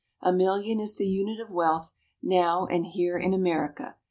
A million is the unit of wealth, now and here in America.